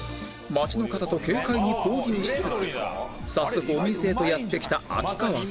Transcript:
街の方と軽快に交流しつつ早速お店へとやって来た秋川さん